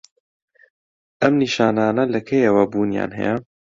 ئەم نیشانانه لە کەیەوە بوونیان هەیە؟